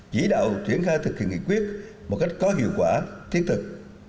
chỉ đạo triển khai thực hiện nghị quyết một cách có hiệu quả thiết thực